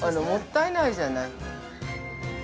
もったいないじゃない。